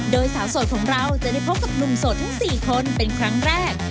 โดยสาวโสดของเราจะได้พบกับหนุ่มโสดทั้ง๔คนเป็นครั้งแรก